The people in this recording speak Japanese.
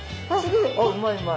あっうまいうまい！